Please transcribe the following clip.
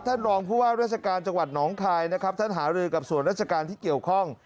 รองผู้ว่าราชการจังหวัดหนองคายนะครับท่านหารือกับส่วนราชการที่เกี่ยวข้อง